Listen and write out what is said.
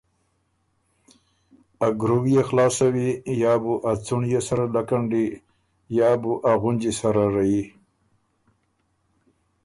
ا ګرُوويې خلاصوئ یا بُو ا څُنړيې سره لکنډئ یا بُو ا غُنجی سره ريَئ۔